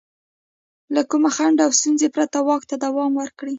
له کوم خنډ او ستونزې پرته واک ته دوام ورکړي.